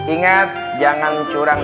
ingat jangan curang